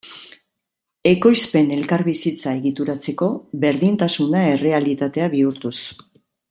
Ekoizpen elkarbizitza egituratzeko berdintasuna errealitatea bihurtuz.